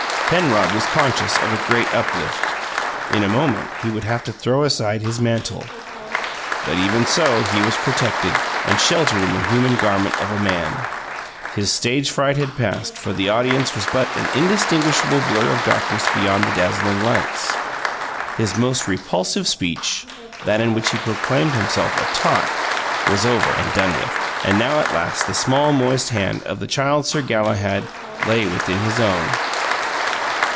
Penrod was conscious of a great uplift; in a moment he would have to throw aside his mantle, but even so he was protected and sheltered in the human garment of a man. His stage fright had passed, for the audience was but an indistinguishable blur of darkness beyond the dazzling lights. His most repulsive speech (that in which he proclaimed himself a "tot") was over and done with; and now at last the small, moist hand of the Child Sir Galahad lay within his own.